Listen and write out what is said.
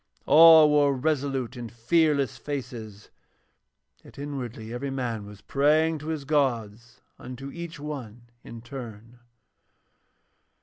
All wore resolute and fearless faces, yet inwardly every man was praying to his gods, unto each one in turn.